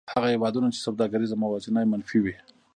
هغه هېوادونه چې سوداګریزه موازنه یې منفي وي